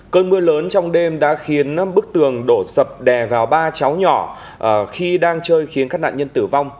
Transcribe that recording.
cơn mưa lớn trong đêm đã khiến bức tường đổ sập đè vào ba cháu nhỏ khi đang chơi khiến các nạn nhân tử vong